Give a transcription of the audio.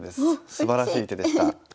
すばらしい手でした。